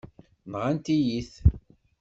Nɣant-iyi-t.